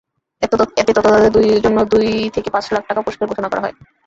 এতে তথ্যদাতাদের জন্য দুই থেকে পাঁচ লাখ টাকা পুরস্কার ঘোষণা করা হয়।